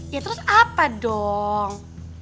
ya terus apa dong